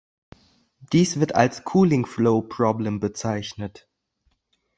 Dies wird als "Cooling Flow Problem" bezeichnet.